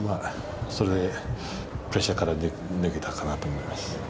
それでプレッシャーから抜けたかなと思います。